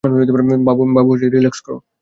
বাবু, relax করো।